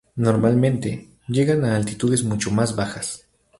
Normalmente, llegan a altitudes mucho más bajas.